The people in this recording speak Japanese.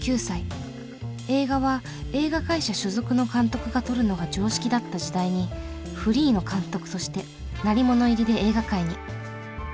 映画は映画会社所属の監督が撮るのが常識だった時代にフリーの監督として鳴り物入りで映画界に。